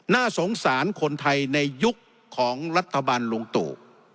น่าสงสารคนไทยในยุคของรัฐบาลลุงตู่